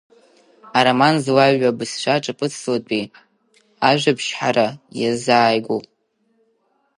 Ароман злаҩу абызшәа ҿаԥыцлатәи ажәабжьҳара иазааигәоуп.